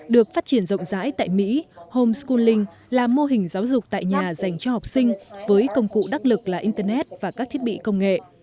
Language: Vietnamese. được phát triển rộng rãi tại mỹ home scooldlink là mô hình giáo dục tại nhà dành cho học sinh với công cụ đắc lực là internet và các thiết bị công nghệ